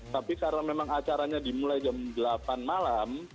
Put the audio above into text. tapi karena memang acaranya dimulai jam delapan malam